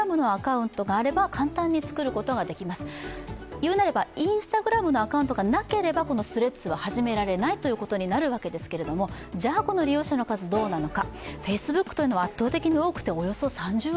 言うなれば、ＩｎｓｔａｇｒａｍのアカウントがなければこのＴｈｒｅａｄｓは始められないということになるわけですけれども、じゃあ、この利用者の数どうなのか。